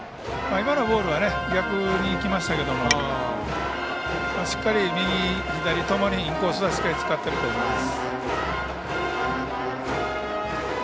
今のボールは逆にいきましたけどしっかり右、左ともにインコースはしっかり使っていると思います。